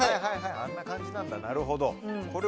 あんな感じなんだ、なるほど。